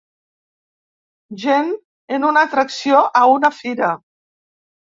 Gent en una atracció a una fira.